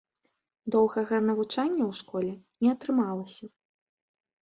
Доўгага навучання ў школе не атрымалася.